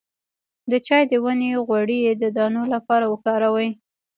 د چای د ونې غوړي د دانو لپاره وکاروئ